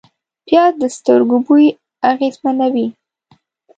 پیاز د سترګو بوی اغېزمنوي